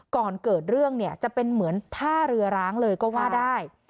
ก่อนเกิดเรื่องเนี่ยจะเป็นเหมือนท่าเรือร้างเลยก็ว่าได้